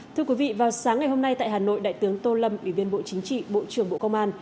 thưa quý vị vào sáng ngày hôm nay tại hà nội đại tướng tô lâm ủy viên bộ chính trị bộ trưởng bộ công an